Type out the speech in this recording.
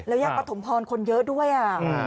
แล้วยังประถมพรคนเยอะด้วยอ่ะ